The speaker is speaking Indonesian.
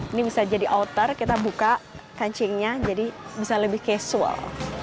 ini bisa jadi outer kita buka kancingnya jadi bisa lebih casual